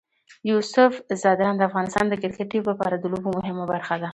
یوسف ځدراڼ د افغانستان د کرکټ ټیم لپاره د لوبو مهمه برخه ده.